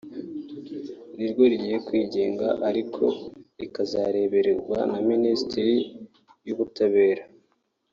naryo rigiye kwigenga ariko rikazarebererwa na Ministeri y’Ubutabera